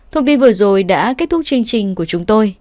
thông tin vừa rồi đã kết thúc chương trình của chúng tôi